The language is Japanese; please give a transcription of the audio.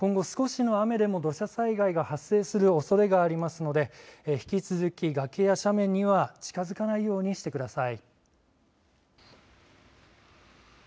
今後少しの雨でも土砂災害が発生するおそれがありますので引き続き、崖や斜面には近づかないようにしてください。